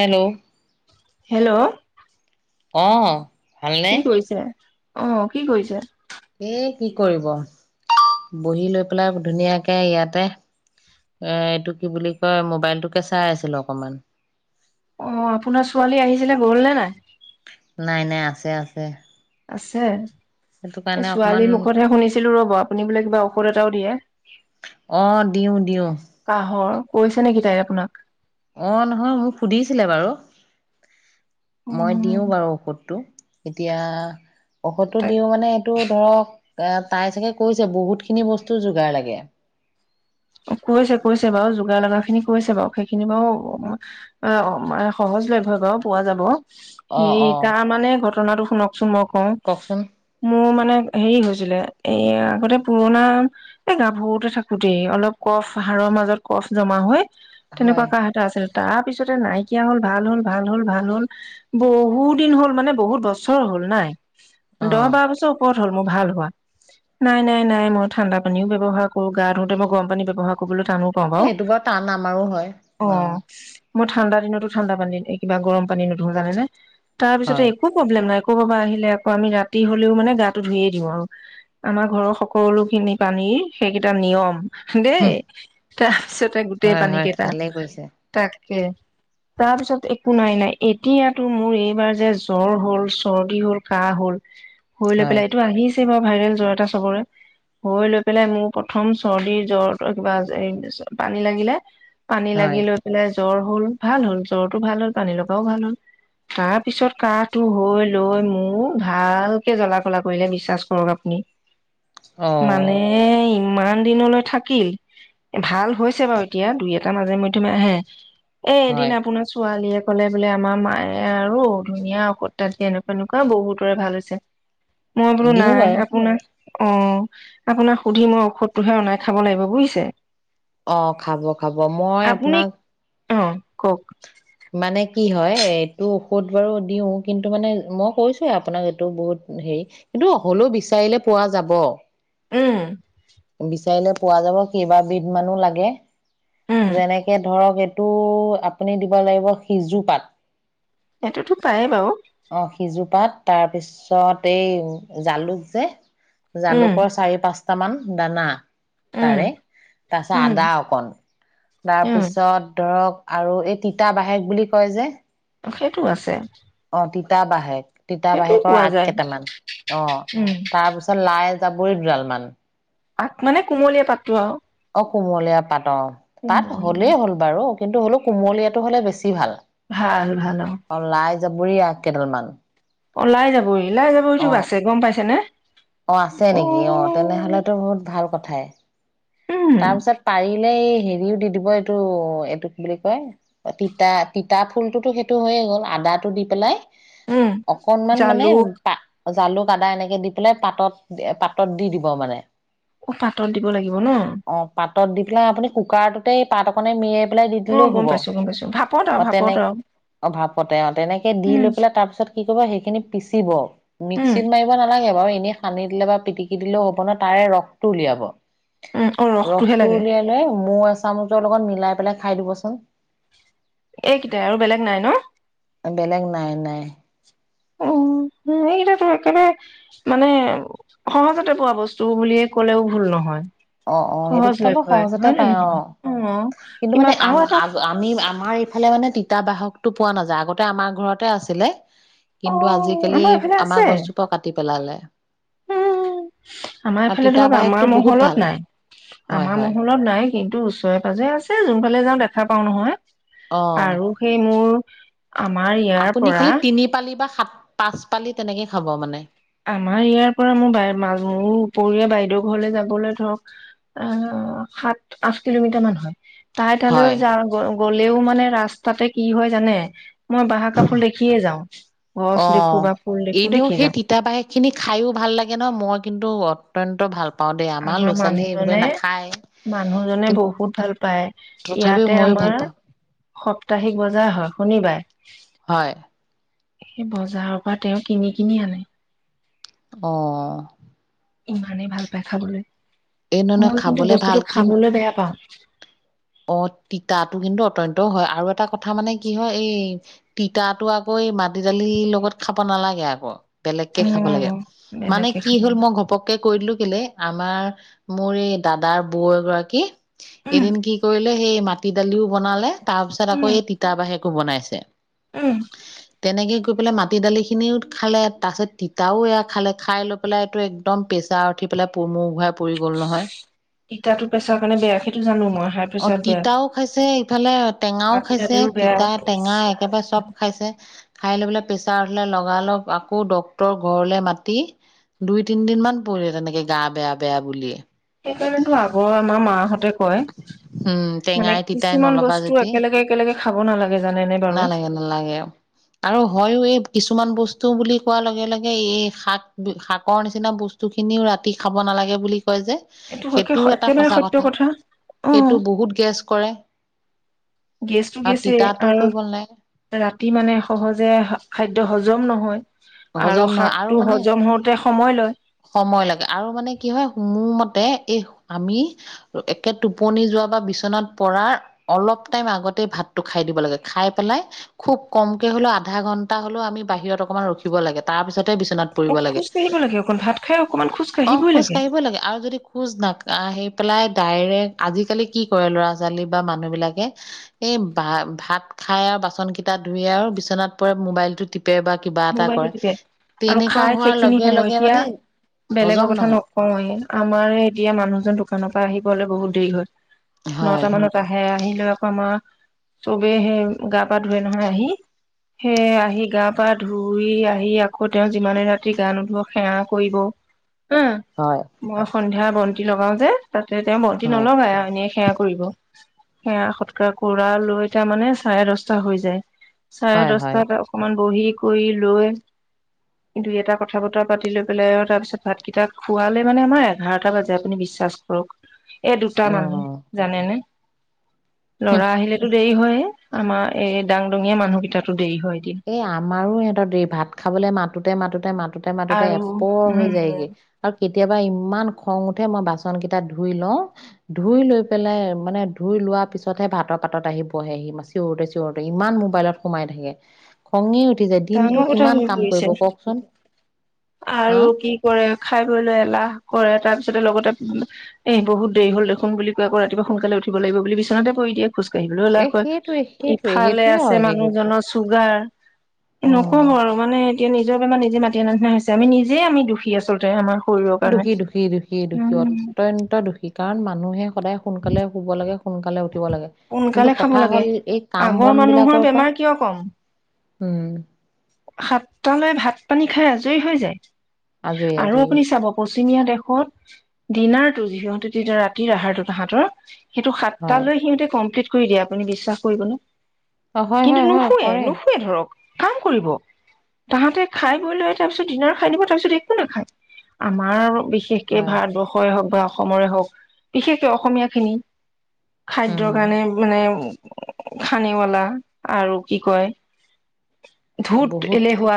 Hello? Hello? অ'। ভালনে কি কৰিছে? অ' কি কৰিছে? এই কি কৰিব, বহি লৈ পেলাই ধুনীয়াকে ইয়াতে এ এইটো কি বুলি কয়, মোবাইলটোকে চাই আছিলোঁ অকণমান। অ আপোনাৰ ছোৱালী আহিছিলে, গ'ল নে নাই? নাই নাই, আছে আছে। আছে? সেইটো এ কাৰণে অকমান ছোৱালীৰ মুখতহে শুনিছিলো‍ঁ ৰব, আপুনি বোলে কিবা ঔষধ এটাও দিয়ে, অ দিওঁ দিওঁ কাহৰ। কৈছে নেকি তাই আপোনাক? অ নহয় মোক সুধিছিলে বাৰু। মই উম, দিওঁ বাৰু ঔষধটো। এতিয়া ঔষধটো দিও মানে এইটো ধৰক এতিয়া তাই চাগে কৈছে বহুত খিনি বস্তু যোগাৰ লাগে। কৈছে কৈছে বাৰু, যোগাৰ লগা খিনি কৈছে বাৰু। সেইখিনি বাৰু, উম, সহজ লভ্যয়ে বাৰু পোৱা যাব। অ সেই অ তাৰ মানে ঘ ঘটনাাতটো শুনক চোন অ কওকচোন মোৰ মান মানে হেৰি হৈছিলে, এই আগতে পুৰণা, এই গাভৰুতে থাকোতেই, অলপ কফ, হাড়ৰ মাজত কফ জমা হৈ তেনেকুৱা হয় কাহ এটা আছিল। তাৰ পিছতে নাইকিয়া হল ভাল হল ভাল হল ভাল হল, বহুত দিন হ'ল মানে বহুত বছৰ হল নাই। অ দহ বাৰ বছৰ ওপৰত হল মোৰ ভাল হোৱা। নাই নাই নাই মই ঠাণ্ডা পানীও ব্যৱহাৰ কৰো গা ধোওঁতে মই গৰম পানী ব্যব [unintelligible] সেইটো বাৰু টান আমাৰো হয় অ বাৰু। মই ঠাণ্ডা দিনতো ঠাণ্ডা পানী এই কিবা গৰম পানী নধোওঁ জানে নে? তাৰ পিছতে হয় একো প্ৰব্লেম নাই। আকৌ বাবা আহিলে আকৌ আমি ৰাতি হলেও মানে গাটো ধুইয়ে দিওঁ আৰু। আমাৰ ঘৰৰ সকলো খিনি পানীৰ সেইকেইটা নিয়ম। দেই, হুম, তাৰপিছতে গোটেই হয় পানী হয় কেইটা ভালে কৰিছে তাক কে, তাৰপিছত একো নাই নাই এতিয়াতো মোৰ এইবাৰ যে জ্বৰ হ'ল, চৰ্দি হ'ল, কাহ হল। হৈ লৈ হয় পেলাই এইটো আহি ছে বাৰু ভাইৰেল জ্বৰ এটা চবৰে। হৈ লৈ পেলাই মোৰ প্ৰথম চৰ্দী জ্বৰ তৰ কিবা [unintelligible] পানী লাগিলে। পানী হয় লাগি লৈ পেলাই জ্বৰ হ'ল ভাল হল। জ্বৰটো ভাল হ'ল পানী লগাও ভাল হ'ল, তাৰপিছত কাহটো হৈ লৈ মোক ভালকে জ্বলা কলা কৰিলে বিশ্বাচ কৰক আপুনি। অ মানে ই ইমান দিনলৈ থাক কিল। ভাল হৈছে বাৰু এতিয়া, দুই এটা মাজে মধ্যমে আহে। এ এদিন হয় আপোনাৰ ছোৱালীয়ে কলে বোলে আমাৰ মায়ে আৰু ধুনীয়া ঔষধ টা দি এনেকুৱা এনেকুৱা বহুতৰে ভাল হৈছে। মই বোলোঁ দিওঁ নাই বাৰু আপোনাৰ অ', আপোনাক সুধি মই ঔষধটোহে অনাই খাব লাগিব বুইছে অ' খাব খাব। মই আপুনি আপোনাক অ' কওক। মানে কি হয় এইটো ঔষধ বাৰু দিও কিন্তু মানে মই কৈছোৱে আপোনাক এইটো বহুত হেৰি কিন্তু হলেও বিচাৰিলে পোৱা যাব। উম। বিচাৰিলে পোৱা যাব। কেইবাবিধ মানো লাগে। উম যেনেকে ধৰক এই টো আপুনি দিব লাগিব সিজু পাত। এইটোতো পায় বাৰু। অ সিজোপাত তাৰপিছত এই জালুক যে উম জালুকৰ চাৰি পাঁচ টামান দানা। উম তাৰে তাৰপিছত উম আদা অকন উম তাৰপিছত ধৰক আৰু এই তিতা বাহেক বুলি কয় যে সেইটো আছে অ তিতাবাহে সেইটোও তিতাবাহেকৰ পোৱা আগ যায় কেইটামান অ উম তাৰপিছত লাই [unintelligible] দুদালমান পাত মানে কুমলীয়া পাতোটো আৰু। কুমলীয়া পাত। অ', তাত কুমলীয়া হ'লেই হ'ল বাৰু। কিন্তু হ'লেও কুমলীয়াটো হ'লে বেছি ভাল। ভাল-ভাল অ। যাবৰীয়া কেইডালমান। ওলাই যাবই ওলাই যাবইতো অ', আছে গম পাইছে নে অ', আছে নেকি অ', উম তেনেহলেতো বহুত ভাল কথাই। তাৰ পিছত, পাৰিলে এ হেৰিও দি দিব এইটো, এইটো বুলি কয় তিতা-তিতা ফুলটোতো সেইটো হৈয়ে গ'ল আদাটো দি পেলাই উম অকনমান মানে জালুক পা জালুক, আদা, এনেকে দি পেলাই পাতত-পাতত দি-দিব মানে। অ', পাতত দিব লাগিব ন। অ', পাতত দি পেলাই আপুনি কুকাৰটোতে এই পাত অকণনে মেৰিয়াই দি অ দিলেও গম হব। পাইছো গম পাইছো ভাপত আৰু অ', ভাপত তেনে আৰু অ, ভাপতে অ, তেনেকে দি উম লৈ পেলাই তাৰপিছত কি কৰিব সেইখিনি পিচিব, উম মিক্সিত মাৰিব নালাগে বাৰু এ সানি দিলে বা পিটিকি দিলেও হ'ব ন, তাৰে ৰসটো উলিয়াব। উম অ ৰসটোহে ৰসটো লাগে উলিয়ালে মৌ এচা চামুচৰ লগত মিলাই পেলাই খাই দিবচোন। এইকেইটাই আৰু বেলেগ নাই ন। বেলেগ নাই-নাই। উম, এইকটাতো একেবাৰে মানে সহজতে পোৱা বস্তু বুলিয়ে ক'লেও ভুল নহয়। অ', অ', সেইটো সহজলভ্য কিতাপত হয় সহজতে হয় নে পাই অ। নহয় কিন্তু মানে কিমান আৰু এটা আম-আগ-আমি-আম আমাৰ এইফালে মানে তিতা বাহকটো পোৱা নাযায়, আগতে আমাৰ ঘৰতে আছিলে। অ কিন্তু আজিকালি, এইফালে আমাৰ আছে গছজোপাও কাটি পেলালে। [unintelligible] আমাৰ আৰু এইফালে তিতা ধৰক বাহকটো আমাৰ বহুত ভাল মহলত নাই। হয় আমাৰ হয় মহলত নাই কিন্তু ওচৰে পাজৰে আছে, যোন ফালে যাওঁ দেখা পাও অ নহয়। আৰু সেই মোৰ আমাৰ ইয়াৰ পৰা পাচ পালি তেনেকে খাব মানে। আমাৰ ইয়াৰ পৰা মোৰ [unintelligible] মোৰ উপৰীয়া বাইদেউৰ ঘৰলে যাবলৈ ধৰক আ, সাত আঠ কিলোমিটাৰ মান হয়। তাই তাহালেও হয় যাওঁ গৈ গ'লেও মানে ৰাস্তাতে কি হয় জানে? মই বাহাকাপুল দেখিয়ে যাওঁ, গছ অ দেখো বা ফুল দেখো, এনেও দেখি সেই যাওঁ। তিতা বাহক খিনি খাইও ভাল লাগে ন মই কিন্তু অত্যন্ত ভাল পাওঁ দেই আমাৰ ল'ৰা ছোৱালী এইবোৰে মানুহজনে, নাখায় মানুহজনে কিন্তু বহুত ভাল পায়, তথাপিও ইয়াতে ময়ো ভাল আমাৰ পাওঁ সপ্তাহিক বজাৰ হয়, শুনিবাৰ। হয় সেই বজাৰৰ পৰা তেওঁ কিনি-কিনি আনে। অ'। ইমানেই ভাল পায় খাবলৈ। এই নহয় নহয় মই কিন্তু খাবলে বস্তুটো ভাল কি খাবলৈ বেয়া পাওঁ। অ তিতাটো কিন্তু অত্যন্ত হয় আৰু এটা কথা মানে কি হয় এই, তিতাটো আকৌ এই মাটি-দালি লগত খাব নালাগে আকৌ। বেলেগকে খাব লাগে, উম মানে বেলেগে কি খাব হ'ল উম মই ঘপককে কৈ দিলোঁ লে আমাৰ, মোৰ এই দাদাৰ বৌ এগৰাকী এদিন কি সেই মাটি-দালিও বনালে তাৰ পিছত আকৌ উম এই তিতা বাহি বনাইছে। উম। তেনেকে গৈ পেলাই মাটি দালিখিনিও খালে তাৰপিছত তিতাও এইয়া খালে, খাই লৈ পেলাইতো একদম প্ৰেছাৰ উঠি পেলাই পু-মূৰ ঘূৰায় তিতাটো প্ৰেছাৰ কাৰণে বেয়া, সেইটো জানো মই হাই অহ, প্ৰেছাৰত বেয়া তিতাও খাইছে, ইফালে টেঙাও মাটি খাইছে, দালিও বেয়া ইচ তিতা-টেঙা ৰাম একেবাৰে চব খাইছে। খাই লৈ পেলাই প্ৰেছাৰ উঠিলে লগা লগ আকৌ ডক্তৰক ঘৰলে মাতি, দুই-তিনদিন মান পৰিলে তেনেকে গা বেয়া-বেয়া বুলিয়ে। সেই কাৰণেতো আগৰ আমাৰ মাহঁতে কয়। উম, মানে টেঙাই-তিতাই কিছুমান নলবা, বস্তু [unintelligible] একেলগে একেলগে খাব নালাগে জানেনে বাৰু নালাগে-নালাগে, আৰু হয়ও এই কিছুমান বচ স্তু বুলি কোৱাৰ লগে-লগে এই শাক, শাকৰ নিচিনা বস্তুখিনিও ৰাতি খাব নালাগে বুলি কয় যে, এইটো একে সেইটোও এটা একেবাৰে সঁচা সত্য কথা। সেইটো অ', বহুত গেছ কৰে গেছতো আৰু গেছে, তিতাটো আৰু কৰিব নালাগে ৰাতি মানে সহজে খাদ্য হ হজম নহয়। আৰু হজম নহয়, আৰু শাকটো মানে, হজম হওঁতে সময় লয় সময় লাগে, আৰু মানে কি হয় মোৰ মত তে এই, আমি একে টোপনি যোৱা বা বিচনাত পৰাৰ অলপ টাইম আগতে ভাতটো খাই দিব লাগে, খাই পেলাই খুব কমকে হলেও আধা ঘন্টা হলেও আমি বাহিৰত অকমান ৰখি দিব লাগে তাৰপিছত তে বিচনাত অ পৰিব লাগে, খোজ কাঢ়িব লাগে অকণ ভাত খাই অকমান খোজ অহ কাঢ়িবই খোজ কাঢ়িবই লাগে আৰু যদি খোজ না আহি পেলাই ডাইৰেক্ট, আজিকালি কি কৰে ল'ৰা-ছোৱালী বা মানুহ বিলাকে, এই বা ভাত খাই আৰু বাচন কেইটা ধুই আৰু বিচনাত পৰে মোবাইলটো টিপ পে বা কিবা এটা কৰে [unintelligible] আৰু তেনেকুৱা খাই হোৱাৰ সেইখিনি লগে সময় লগে এতিয়া, মানে বেলেগৰ হজম কথা নহয় নকওঁৱেই, আমাৰে এতিয়া মানুহজন দোকানৰ পৰা আহি পলে বহুত দেৰি হয়। নটা হয় মানত আহে, আহিলৈ আকমা- চবে সেই গা-পা ধুৱে নহয় আহি, সেই আহি গা- পা ধুই আহি আকৌ তেওঁ যিমানে ৰাতি গা নোধওক, সেৱা কৰিব। হা হয়। মই সন্ধিয়া বন্তি লগাও যে তাতে তেওঁ বন্তি হয়, নলগাাই আৰু এনে সেৱা সেয়া সৎকাৰ কৰা লৈ তাৰ মানে চাৰে দচটা হৈ যায়। চাৰে হয়, হয়, দচটাত অকমান বহি কৰি লৈ দুই এটা কথা-বতৰা পাতি লৈ পেলাই আৰু তাৰ পিছত ভাতকেইটা খোৱালে মানে আমাৰ এঘাৰটা বাজে আপুনি বিশ্বাস কৰক। এই দুটা অ', মানুহ জানে নে। হুহ, ল'ৰা আহিলেতো দেৰি হৈয়ে। আমাৰ এই দাং-দঙিয়া মানুহ কেইটাতো দেৰি। হয় দিন এই আমাৰো সিহঁতৰ দেৰি, ভাত খাবলৈ মাতোতে মাতোতে মাত মাততে, মাতোতে আৰু এপৰ হৈ উম যায়গৈ আৰু কেতিয়াবা ইমান খং উঠে মই বাচন কেইটা ধুই লওঁ, ধুই লৈ পেলাই মানে ধুই লোৱাৰ পিছতহে ভাতৰ পাতত আহি বহেহি চিঞৰোতে, চিঞৰোতে ইমান মোবাইলত সোমাই থাকে। খঙেই উ ডাঙৰ কথা হৈ পৰিছে হা। আৰু কি কৰে খাই বৈ লৈ এলাহ কৰে তাৰ পিছত ছতে লগতে এ বহুত দেৰি হ'ল দেখোন বুলি কৈ আকৌ ৰাতিপুৱা সোনকালে উঠিব লাগিব বুলি বিছনাতে পৰি দিয়ে। খোজ কাঢ়িবলৈও এ এলাহ কৰে, সেইটোৱে, সেইটোৱে, ইফালে সেইটোৱে আছে হয়গে গৈ পেলাই মানুহজনৰ চুগাৰ। উম। নক'ব আৰু মানে এতিয়া নিজৰ বেমাৰ নিজে মাতি আনা নিচিনা হৈছে, আমি নিজেই আমি দুখী আচলতে আমাৰ শৰীৰৰ কাৰণে। দুখী, দুখী, দুখী, দুখী উম অত্যন্ত দুখী, কাৰণ মানুহে সদায় সোনকালে শুব লাগে। সোনকালে উঠিব লাগে, কিন্তু সোনকালে খাব কথা লাগে। হ'ল এই কাম আগৰ বন মানুহৰ বিলাকৰ পৰা বেমাৰ কিয় কম উম। সাতটালৈ ভাত-পানী খাই আজৰি হৈ যায়। আজৰি আৰু আজৰি আপুনি চাব বস্ত পচিমীয়া দেশত ডিনাৰটো যিহতেু তেতিয়া ৰাতিৰ আহাৰটো তাহাঁতৰ সেইটো হয় সাতটালৈ সিহঁতে কমপ্লিট কৰি দিয়ে, আপুনি বিশ্বাস কৰিব নে? অ হয় কিন্তু হয় হয় নুশুৱে, কৰে নুশুৱে ধৰক। আ কৰিব, তাহাঁতে খাই বৈ লৈ তাৰপিছত ডিনাৰ খাই দিব, তাৰপিছত একো নাখায়, আমাৰ আৰু বিশেষকে হয় ভাৰতবৰ্ষই হওক বা অস অসমৰে হওক, বিশেষকে অসমীয়া খিনি। খাদ্যৰ উম কাৰণে মানে খানেৱালা আৰু কি কয়? ধোঁত বহুত এলেহুৱা।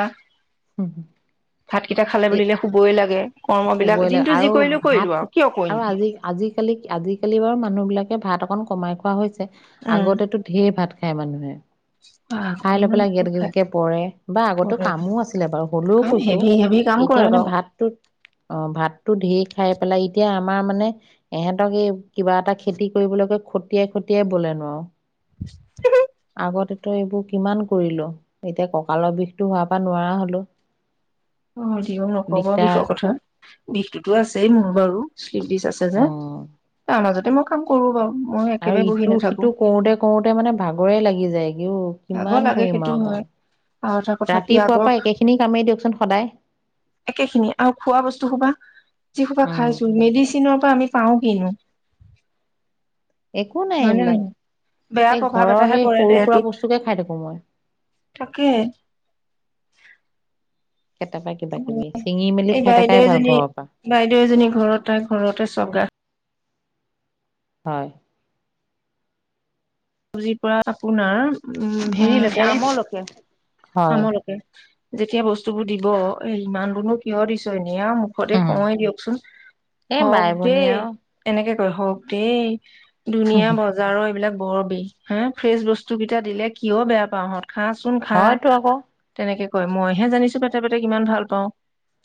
ভাতকেইটা খালে এই বুলিলে শুবই লাগে। কৰ্মবিলাক শুবই দিনটো লাগে যি আৰু কৰিলো কৰিলো আৰু ভাত কিয় কৰিম আৰু আজি আজিকালি আজিকালি বাৰু মানুহ বিলাকে ভাত অকন কমাই খোৱা হৈছে। উম আগতেটো ঢেৰ ভাত খায় মানুহে। আগৰ খায় লৈ দিনত পেলাই গেদ বহুত গেদকে পৰে বা আগতে খাই কামো আছিলে বাৰু হ'লেও কাম কৈছোঁ! হেভি হেভি কাম এতিয়া কৰে মানে বাৰু ভাতটোত অ' ভাতটো ঢেৰ খাই পেলাই। এতিয়া আমাৰ মানে, এহঁতক এই কিবা এটা খেতি কৰিবলৈ কৈ খতিয়াই খতিয়াই বলে নোৱাৰো। [unintelligible] আগতেতো এইবোৰ কিমান কৰিলোঁ। এতিয়া কঁকালৰ বিষটো হোৱাৰ পৰা নোৱাৰা হ'লো। অ' দিঅক নকব দিগদাৰ বিষৰ কথা। বিষটোতো আছেই মোৰ বাৰু! অ [unintelligible] মই কাম কৰোঁ বাৰু। মই আৰু একেবাৰে বহি ইটো নাথাকো সিটো কৰোঁতে কৰোঁতে মানে, ভাগৰে লাগি যায়। ভাগৰ লাগে সেইটো হয় আৰু এটা কথা কি ৰাতিপুৱাৰ আগৰ পৰা একেখিনি কামেই দিয়কচোন সদায় একে খিনিয়ে আৰু খোৱা বস্তু সোপা যি সোপা খায় উম আছোঁ। মেডিচিনৰ পৰা আমি পাওঁ কিনো! একো নাই হয় নে এইবিলাক নহয়! বেয়া প্ৰভাৱ এটাহে পৰে দেহটোত। [unintelligible] খায় থাকো মই। তাকে কেতিয়াবা কিবা কিবি ছিঙি মেলি এই খাই থাকাই বাইদেউ ভাল এজনী ঘৰৰ পৰা বাইদেউ এজনী ঘৰত তাই ঘৰতে চব হয়। চবজিৰ পৰা আপোনাৰ, উম! হেৰিলৈকে, হয় আমলৈকে, হয় আমলৈকে। যেতিয়া বস্তুবোৰ দিব। এ' ইমানবোৰনো কিয় দিছ নিয়া মুখতে উম কওঁৱে দিয়কচোন। এই বাই হওঁক ভনী দেই আৰু এনেকে হওঁক দেই। ধুনীয়া বজাৰৰ এইবিলাক [unintelligible] হে ফ্ৰেচ বস্তু কেইটা দিলে কিয় বেয়া পাওঁ হঁত খাচোন খা। হয়তো আকৌ তেনেকে হয় মইহে জানিছো পেটে পেটে কিমান ভাল পাওঁ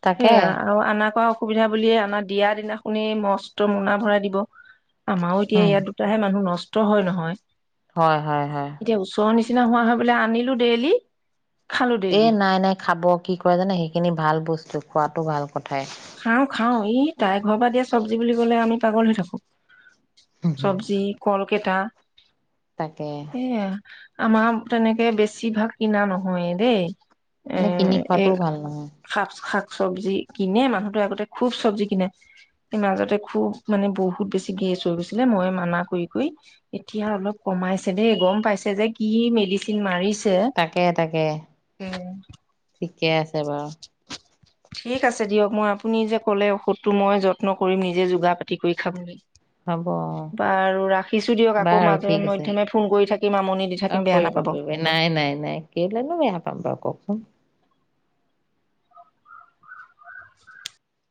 তাকে সেয়া আৰু আনা কোৱা অসুবিধা বুলিয়ে আমাৰ দিয়া দিনাখনি মস্ত মোনা ভৰাই দিব আমাৰও এতিয়া উম ইয়াত দুটাহে মানুহ নষ্ট ত হয় নহয় হয় হয় হয় চিনা হোৱা হয় বোলো আনিলো ডেইলি। খালো এ ডেইলি নাই নাই খাব কি কই জানে সেইখিনি ভাল বস্তু। খোৱাতো ভাল কথাই। খাওঁ খাওঁ ই তাই ঘৰ পৰা দিয়া চব্জি বুলি কলে আমি পাগল হৈ থাকো। চব্জি, কল কেটা তাকে সেইয়া আমাৰ তেনেকে বেছিভাগ কিনা নহয়ে দেই। এ এনে কিনি খোৱাটোও ভাল নহয়। চব্জি কিনে মা নুহটোৱে আগতে খুব চব্জি কিনে মাজতে খুব মানে বহুত বেছি গেছ হৈ গৈছিলে মই মানা কৰি কৰি এতিয়া অলপ কমাইছে দেই গম পাইছে যে কি মেডিচিন মাৰিছ ছে তাকে তাকে উম ঠিকে আছে বাৰু ঠিক আছে দিয়ক মই আপুনি যে ক'লে ঔষধটো মই যত্ন কৰিম নিজে যোগাৰ পাতি কৰি খাবলৈ হ'ব অ বাৰু ৰাখিছো দিয়ক আকৌ বাৰু মাজে ঠিক আছে মধ্যমে ফোন কৰি থাকিম আমনি দি অ থাকিম বেয়া কৰিব নাপাব কৰিব নাই নাই নাই কেলেইনো বেয়া পাম বাৰু কওকচোন। [unintelligible]